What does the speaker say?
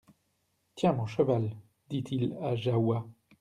Tiens mon cheval, dit-il à Jahoua.